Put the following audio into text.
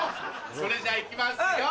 それじゃあ行きますよ